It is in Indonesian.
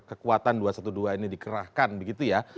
kekuatan dua ratus dua belas ini dikerahkan begitu ya